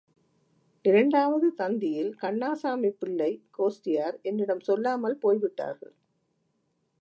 இரண்டாவது தந்தியில், கண்ணாசாமிப்பிள்ளை கோஷ்டியார் என்னிடம் சொல்லாமல் போய் விட்டார்கள்.